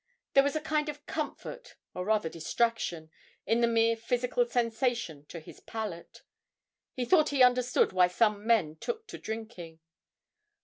There was a kind of comfort, or rather distraction, in the mere physical sensation to his palate; he thought he understood why some men took to drinking.